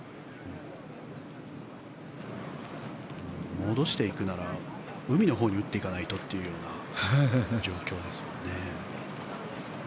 戻していくなら海のほうに打っていかないとというような状況ですもんね。